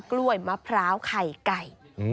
กล้วยมะพร้าวไข่ไก่